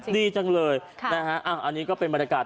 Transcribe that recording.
ดีจังเลยนะฮะอันนี้ก็เป็นบรรยากาศ